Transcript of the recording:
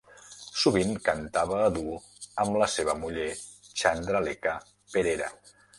Sovint cantava a duo amb la seva muller Chandralekha Perera.